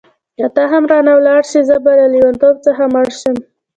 که ته هم رانه ولاړه شې زه به له یوازیتوب څخه مړ شم.